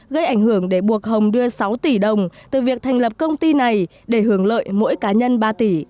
gây ảnh hưởng để buộc hồng đưa sáu tỷ đồng từ việc thành lập công ty này để hưởng lợi mỗi cá nhân ba tỷ